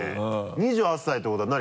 ２８歳ってことは何？